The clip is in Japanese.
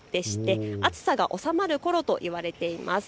暑さが収まるころといわれています。